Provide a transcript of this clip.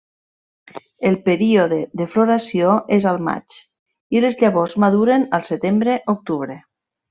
El període de floració és al maig, i les llavors maduren al setembre-octubre.